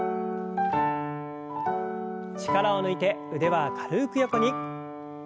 力を抜いて腕は軽く横に。